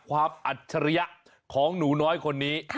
อัจฉริยะของหนูน้อยคนนี้